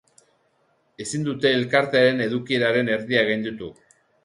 Ezin dute elkartearen edukieraren erdia gainditu.